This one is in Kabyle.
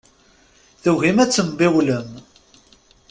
Tugim ad tembiwlem.